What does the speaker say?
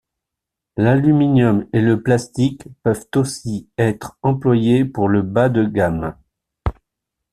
L'aluminium et le plastique peuvent aussi être employés pour le bas de gamme.